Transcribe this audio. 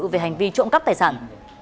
về hành vi trộm cắp tài sản